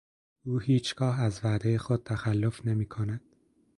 او هیچگاه از وعدهٔ خود تخلف نمیکند.